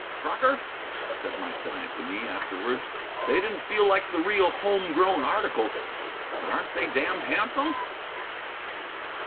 "Crocker," said my client to me, afterwards, "they didn't feel like the real, home grown article. But aren't they damned handsome?"